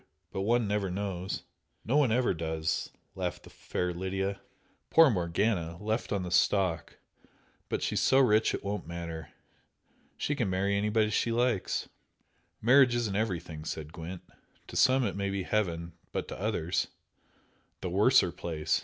But one never knows " "No, one never does!" laughed the fair Lydia "Poor Morgana! Left on the stalk! But she's so rich it won't matter. She can marry anybody she likes." "Marriage isn't everything," said Gwent "To some it may be heaven, but to others " "The worser place!"